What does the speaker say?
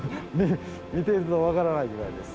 見てると分からないぐらいです。